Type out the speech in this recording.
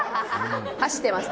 走ってます。